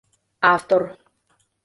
Автор